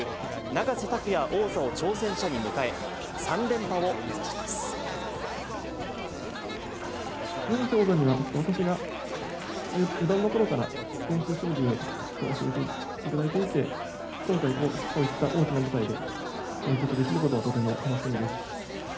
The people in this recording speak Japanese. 永瀬王座には、私が四段のころから練習将棋で教えていただいていて、今回、こういった大きな舞台で対局できることは、とても楽しみです。